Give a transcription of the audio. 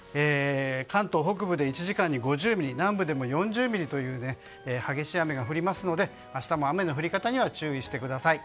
関東北部で１時間に５０ミリ南部でも４０ミリという激しい雨が降りますので明日も雨の降り方には注意してください。